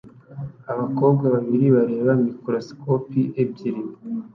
Abakobwa babiri bareba mikorosikopi ebyiri